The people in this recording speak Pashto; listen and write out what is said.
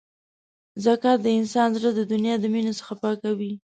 زکات د انسان زړه د دنیا د مینې څخه پاکوي.